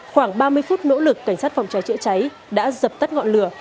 khoảng ba mươi phút nỗ lực cảnh sát phòng cháy chữa cháy đã dập tắt ngọn lửa